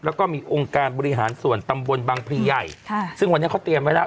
แล้วก็มีองค์การบริหารส่วนตำบลบังพลีใหญ่ค่ะซึ่งวันนี้เขาเตรียมไว้แล้ว